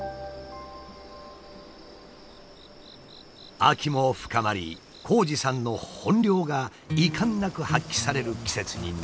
秋も深まり紘二さんの本領が遺憾なく発揮される季節になりました。